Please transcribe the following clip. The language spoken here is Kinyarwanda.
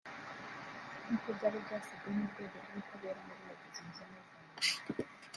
nkuko byari byasabwe n’urwego rw’ubutabera muri Leta Zunze Ubumwe za Amerika